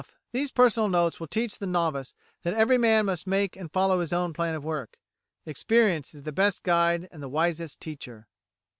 These personal notes will teach the novice that every man must make and follow his own plan of work. Experience is the best guide and the wisest teacher.